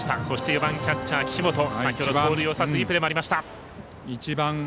そして４番、キャッチャー、岸本。